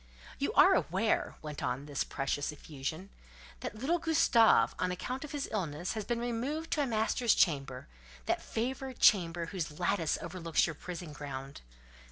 "You are aware," went on this precious effusion, "that little Gustave, on account of his illness, has been removed to a master's chamber—that favoured chamber, whose lattice overlooks your prison ground.